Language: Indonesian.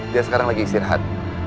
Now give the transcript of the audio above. dia sekarang lagi istirahat